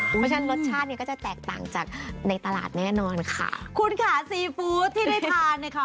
เพราะฉะนั้นรสชาติเนี่ยก็จะแตกต่างจากในตลาดแน่นอนค่ะคุณค่ะซีฟู้ดที่ได้ทานเนี่ยค่ะ